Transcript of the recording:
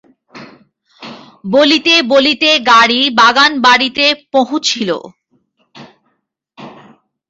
বলিতে বলিতে গাড়ী বাগানবাড়ীতে পঁহুছিল।